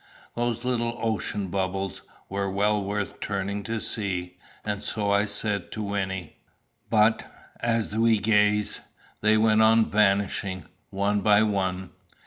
Those little ocean bubbles were well worth turning to see; and so I said to Wynnie. But, as we gazed, they went on vanishing, one by one.